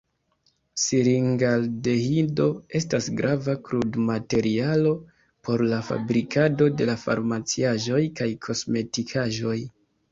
Siringaldehido estas grava krudmaterialo por la fabrikado de farmaciaĵoj kaj kosmetikaĵoj.